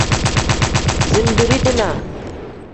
Zinbirii-dinaa.